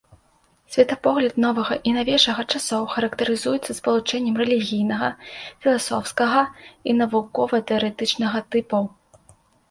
Светапогляд новага і навейшага часоў характарызуецца спалучэннем рэлігійнага, філасофскага і навукова-тэарэтычнага тыпаў.